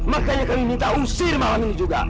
makanya kami minta usir malam ini juga